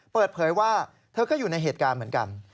เปิดเผยว่าเธอก็อยู่ในเหตุการณ์เหมือนกัน